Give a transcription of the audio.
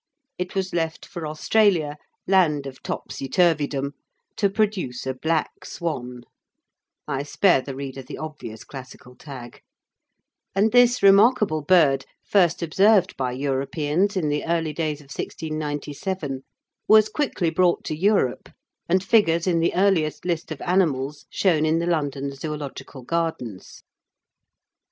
It was left for Australia, land of topsy turveydom, to produce a black swan (I spare the reader the obvious classical tag), and this remarkable bird, first observed by Europeans in the early days of 1697, was quickly brought to Europe and figures in the earliest list of animals shown in the London Zoological Gardens.